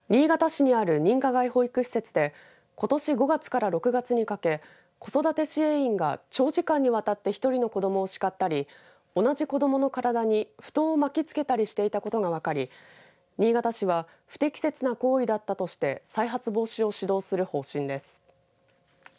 新潟市にある認可外保育施設でことし５月から６月にかけ子育て支援員が長時間にわたって１人の子どもを叱ったり同じ子どもの体に布団を巻きつけたりしていたことが分かり新潟市は不適切な行為だったとして再発防止を指導する方針です。